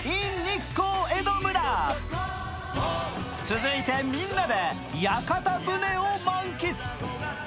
続いて、みんなで屋形船を満喫。